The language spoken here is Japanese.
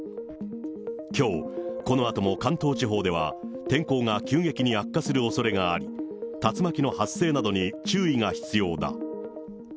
きょう、このあとも関東地方では、天候が急激に悪化するおそれがあり、竜巻の発生などに注意が必要だ。